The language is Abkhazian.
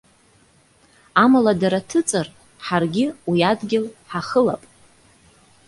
Амала дара ҭыҵыр, ҳаргьы уи адгьыл ҳахылап.